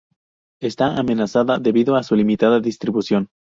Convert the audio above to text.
Está amenazada debido a su limitada distribución.